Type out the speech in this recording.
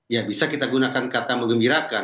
ya bisa kita gunakan kata mengembirakan